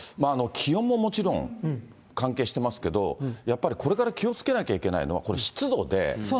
気温ももちろん関係してますけど、やっぱりこれから気をつけなきゃいけないのは、これ、湿度で。